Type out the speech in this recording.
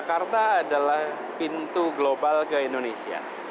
jakarta adalah pintu global ke indonesia